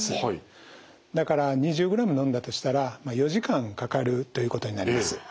だから２０グラム飲んだとしたらまあ４時間かかるということになります。